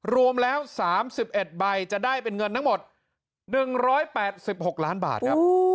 รวมแล้วสามสิบเอ็ดใบจะได้เป็นเงินทั้งหมดหนึ่งร้อยแปดสิบหกล้านบาทครับ